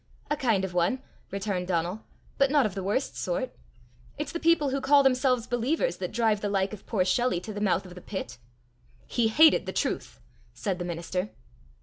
"A kind of one," returned Donal, "but not of the worst sort. It's the people who call themselves believers that drive the like of poor Shelley to the mouth of the pit." "He hated the truth," said the minister.